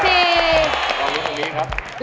ถูกกว่า